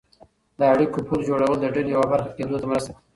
د اړیکو پل جوړول د ډلې یوه برخه کېدو ته مرسته کوي.